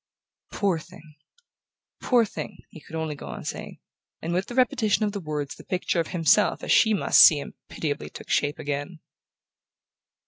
"Poor thing ... poor thing!" he could only go on saying; and with the repetition of the words the picture of himself as she must see him pitiably took shape again.